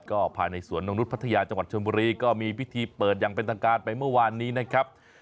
ก็ภายในสวนนกนุษย์พัทยาจังหวัดชนบุรีก็มีพิธีเปิดอย่างเป็นทางการไปเมื่อวานนี้นะครับ